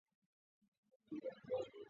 崇越隼鹰队为台湾业余棒球队伍之一。